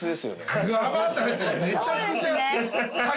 めちゃくちゃ。